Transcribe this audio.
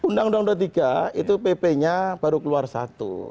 undang undang dua puluh tiga itu pp nya baru keluar satu